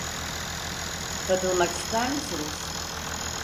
Katılmak ister misiniz?